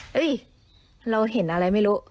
เราเห็นอะไรไม่รู้